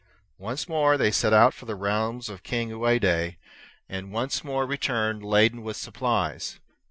Once more they set out for the realms of King Ouade, and once more returned laden with supplies.